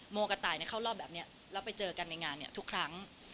โมกระต่ายเข้ารอบแบบนี้แล้วไปเจอกันในงานเนี่ยทุกครั้ง